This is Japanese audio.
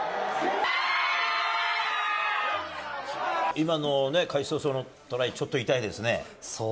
今の開始早々のトライってのは痛いですね。